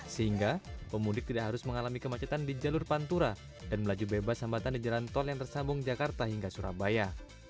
sehingga pemudik tidak harus mengalami kemacetan di jalur pantura dan melaju bebas hambatan di jalan tol yang tersambung jakarta hingga surabaya